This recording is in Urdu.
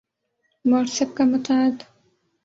واٹس ایپ کا متعد